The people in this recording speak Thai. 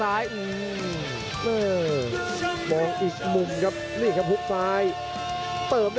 น่าจะเป็นสองครับ